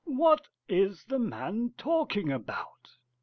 _ What is the man talking about?